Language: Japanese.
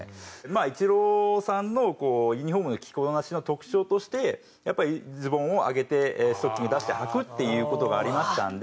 イチローさんのユニホームの着こなしの特徴としてやっぱりズボンを上げてストッキング出してはくっていう事がありましたんで。